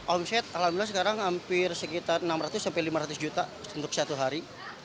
omset alhamdulillah sekarang hampir sekitar enam ratus sampai lima ratus juta untuk satu hari